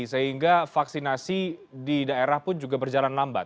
sehingga vaksinasi di daerah pun juga berjalan lambat